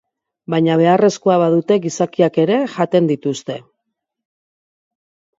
Baina beharrezkoa badute gizakiak ere jaten dituzte.